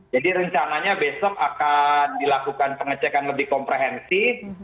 jadi rencananya besok akan dilakukan pengecekan lebih komprehensi